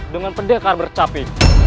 dengan pendekar bercapi